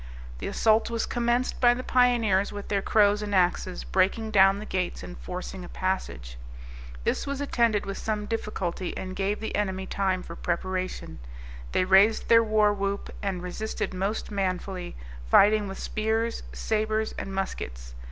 The assault was commenced by the pioneers, with their crows and axes, breaking down the gates and forcing a passage. This was attended with some difficulty, and gave the enemy time for preparation. They raised their warwhoop, and resisted most manfully, fighting with spears, sabres, and muskets.